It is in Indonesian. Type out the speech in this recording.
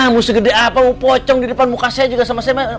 mau segede apa mau pocong di depan muka saya juga sama sama